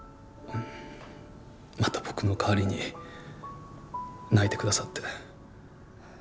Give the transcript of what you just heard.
また僕の代わりに泣いてくださって。